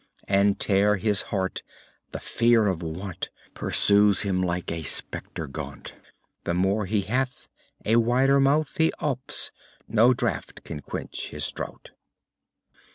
And tear his heart; the fear of want Pursues him like a spectre gaunt. The more he hath, a wider mouth He opes, no draught can quench his drouth.